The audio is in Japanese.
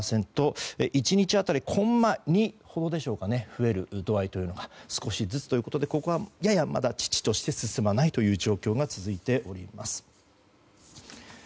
１日当たりコンマ２ほどでしょうか増える度合いというのが少しずつということでここが、やや遅々として進まないという状況が続いております。